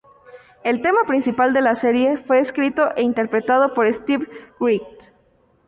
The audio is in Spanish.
El tema principal de la serie fue escrito e interpretado por Steve Wright.